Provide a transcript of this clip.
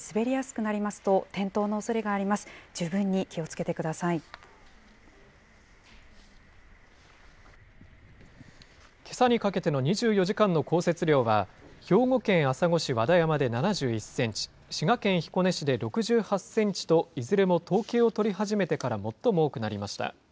けさにかけての２４時間の降雪量は、兵庫県朝来市和田山で７１センチ、滋賀県彦根市で６８センチと、いずれも統計を取り始めてから最も多くなりました。